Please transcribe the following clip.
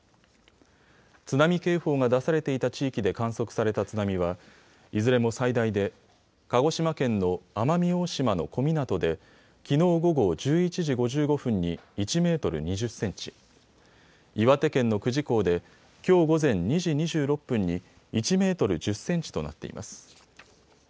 津波警報が出されていた地域で観測された津波はいずれも最大で鹿児島県の奄美大島の小湊できのう午後１１時５５分に１メートル２０センチ、岩手県の久慈港できょう午前２時２６分に１メートル１０センチとなっています。